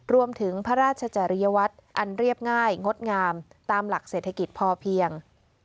รวมถึงพระราชจริยวัตรอันเรียบง่ายงดงามตามหลักเศรษฐกิจพอเพียง